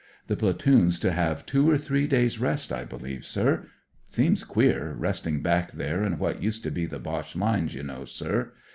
The platoon's to have two or three days* rest, I believe, sir. Seems queer, resting back there in what used to be the Boche lines, you Vnow, sir.